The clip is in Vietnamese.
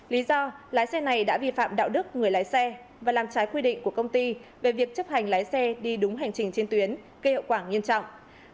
lý do lái xe này đã vi phạm đạo đức người lái xe và làm trái quy định của công ty về việc chấp hành lái xe đi đúng hành trình trên tuyến gây hậu quả nghiêm trọng